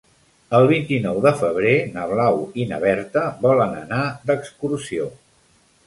El vint-i-nou de febrer na Blau i na Berta volen anar d'excursió.